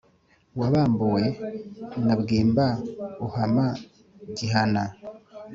Wabambuwe na Bwimba uhama Gihana